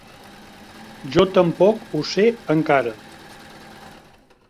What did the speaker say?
Jo tampoc ho sé encara.